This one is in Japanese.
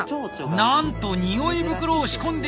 なんと匂い袋を仕込んできました！